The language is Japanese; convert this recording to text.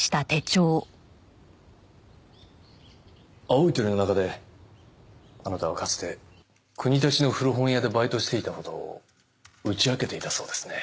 青い鳥の中であなたはかつて国立の古本屋でバイトしていた事を打ち明けていたそうですね。